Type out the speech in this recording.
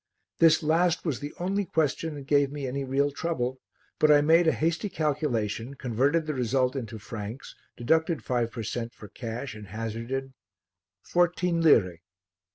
This last was the only question that gave me any real trouble, but I made a hasty calculation, converted the result into francs, deducted five per cent. for cash and hazarded "Fourteen lire."